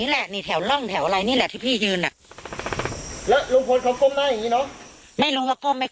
ลงมาหาพี่พี่ลงมา